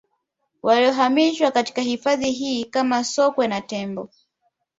Waliohamishiwa katika hifadhi hii kama Sokwe na Tembo